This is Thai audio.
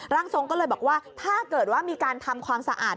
ร่างทรงก็เลยบอกว่าถ้าเกิดว่ามีการทำความสะอาด